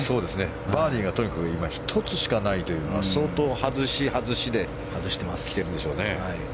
バーディーが１つしかないというのは相当外し、外しで来てるんでしょうね。